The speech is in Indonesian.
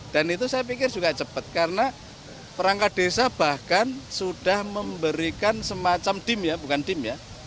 dan itu saya pikir juga cepat karena perangkat desa bahkan sudah memberikan semacam dim ya bukan dim ya